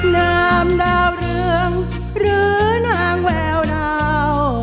นามดาวเรืองหรือนางแววดาว